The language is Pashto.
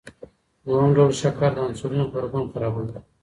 دویم ډول شکر د انسولین غبرګون خرابوي.